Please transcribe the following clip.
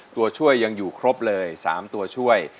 ตัวช่วยยังอยู่ครบเลย๓ตัวช่วย